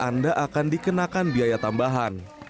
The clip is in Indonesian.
anda akan dikenakan biaya tambahan